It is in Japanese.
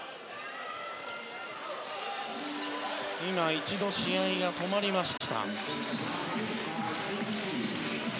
一度、試合が止まりました。